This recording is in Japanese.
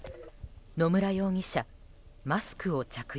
野村容疑者、マスクを着用。